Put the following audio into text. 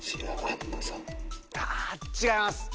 あぁ違います。